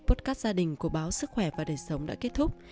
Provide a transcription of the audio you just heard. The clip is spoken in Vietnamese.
podcast gia đình của báo sức khỏe và đời sống đã kết thúc